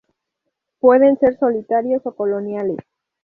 Pueden ser solitarios o coloniales.